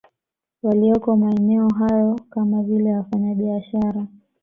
Walioko maeneo hayo kama vile wafanya biashara